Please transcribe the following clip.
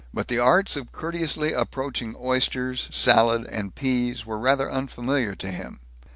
But the arts of courteously approaching oysters, salad, and peas were rather unfamiliar to him.